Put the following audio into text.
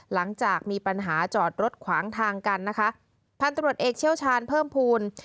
หลังจากมีปัญหาจอดรถขวางทางกันนะคะพันตรวจเอกเชี่ยวชาญเพิ่มภูมิ